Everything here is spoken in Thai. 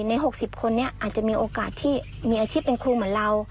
ใน๖๐คนนี้อาจจะมีโอกาสที่มีอาชีพเป็นครูเหมือนเรา